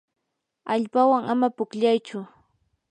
allpawan ama pukllaychu.